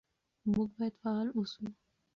موږ باید فعال اوسو.